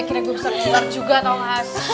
akhirnya gue besar juga tau gak asli